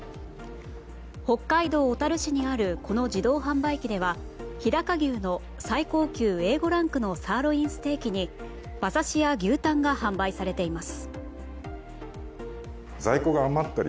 北海道小樽市にあるこの自動販売機では日高牛の最高級Ａ５ランクのサーロインステーキに馬刺しや牛タンが販売されています。